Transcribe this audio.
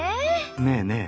ねえねえ。